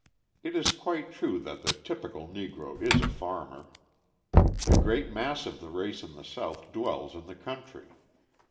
It is quite true that the typical Negro is a farmer. The great mass of the race in the South dwells in the country.